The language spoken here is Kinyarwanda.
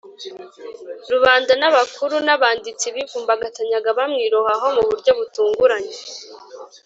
rubanda n abakuru n abanditsi bivumbagatanya bamwirohaho mu buryo butunguranye